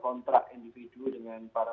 kontrak individu dengan para